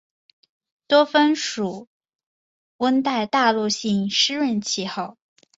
多芬属温带大陆性湿润气候。